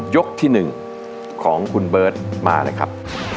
ยกที่หนึ่งของคุณเบิร์ตมาเลยครับ